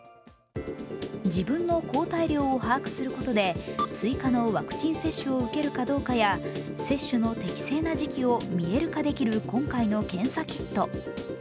自分の抗体量を把握することで追加のワクチン接種を受けるかどうかや接種の適正な時期を見える化できる今回の検査キット。